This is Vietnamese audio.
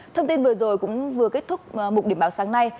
thông tin vừa rồi cũng vừa kết thúc một điểm báo sáng nay